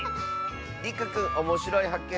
りくくんおもしろいはっけん